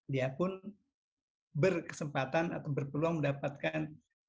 dia pun berkesempatan atau berpeluang mendapatkan